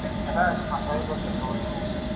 هغه نه پوهیده چي کوم لوري ته ولاړ سي.